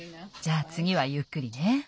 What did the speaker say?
じゃつぎはゆっくりね。